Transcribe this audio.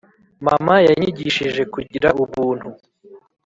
Mama yanyigishije kugira Ubuntu